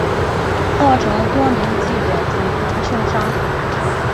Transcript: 造成多名记者警察受伤